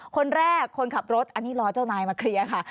คนแรกคนขับรถอันนี้รอเจ้านายมาเคลียร์ค่ะ